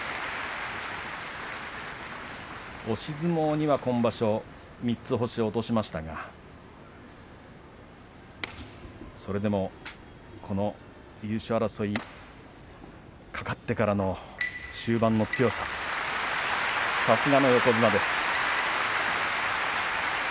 押し相撲には今場所３つ、星を落としましたがそれでもこの優勝争いかかってからの終盤の強さ、さすがの横綱です。